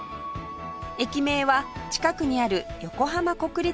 駅名は近くにある横浜国立大学に由来